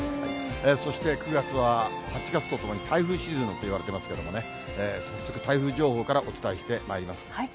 そして９月は、８月とともに台風シーズンなんていわれていますけれどもね、早速、台風情報からお伝えしてまいります。